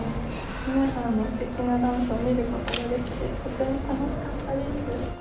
皆さんのすてきなダンスを見ることができて、とても楽しかったです。